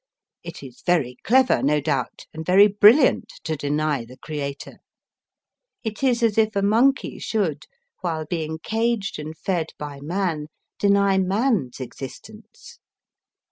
It is very clever, no doubt, and very brilliant to deny the Creator ; it is as if a monkey should, while being caged and fed by man, deny man s existence.